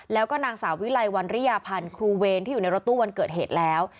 แล้วก็นางสาววิลัยวันริยาพันธ์ครูเวรที่อยู่ในรถตู้วันเกิดเหตุแล้ว